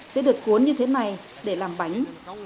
sẽ được cuốn như thế này để làm bánh